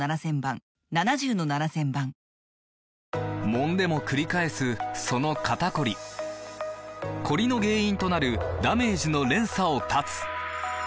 もんでもくり返すその肩こりコリの原因となるダメージの連鎖を断つ！